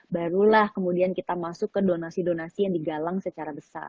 barulah kemudian kita masuk ke donasi donasi yang digalang secara besar